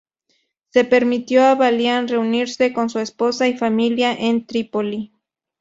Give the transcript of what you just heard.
Se permitió a Balián reunirse con su esposa y familia en Trípoli.